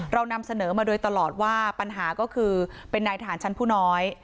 เรานำเสนอมาโดยตลอดว่าปัญหาก็คือเป็นนายทหารชั้นผู้น้อย